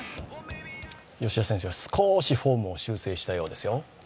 吉田選手は少しフォームを修正したようですよ。